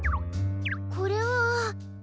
これは。